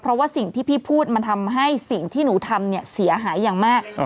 เพราะว่าสิ่งที่พี่พูดมันทำให้สิ่งที่หนูทำเนี่ยเสียหายอย่างมาก